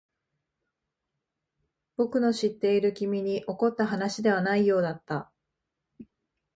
僕の知っている君に起こった話ではないようだった。